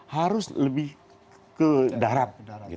harus lebih ke darat